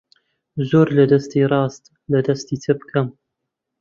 زۆر لە دەستی ڕاست لە دەستی چەپ کەم